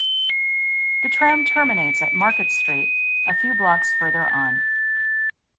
The tram terminates at Market Street, a few blocks further on.